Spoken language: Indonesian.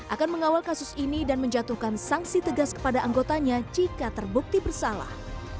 akan mengawal kasus ini dan menjatuhkan sanksi tegas kepada anggotanya jika terbukti bersalah